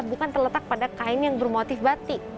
bukan terletak pada kain yang bermotif batik